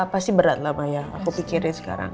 pasti berat lah maya aku pikirin sekarang